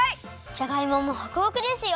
じゃがいももホクホクですよ！